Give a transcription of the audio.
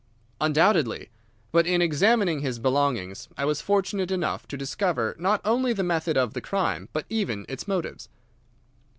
"Undoubtedly. But in examining his belongings I was fortunate enough to discover not only the method of the crime, but even its motives.